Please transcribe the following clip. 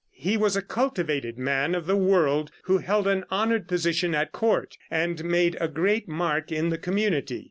He was a cultivated man of the world who held an honored position at court and made a great mark in the community.